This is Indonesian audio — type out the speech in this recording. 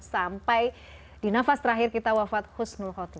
sampai di nafas terakhir kita wafat khusnul khatim